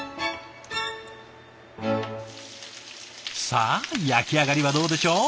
さあ焼き上がりはどうでしょう？